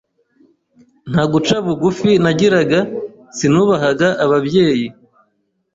Nta guca bugufi nagiraga, sinubahaga ababyeyi,